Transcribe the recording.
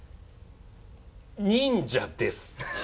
「忍者です」。